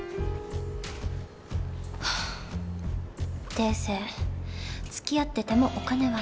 ハァ訂正つきあっててもお金は